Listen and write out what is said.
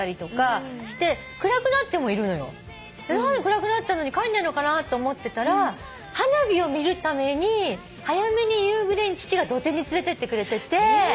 暗くなったのに帰んないのかなと思ってたら花火を見るために早めに夕暮れに父が土手に連れてってくれてて。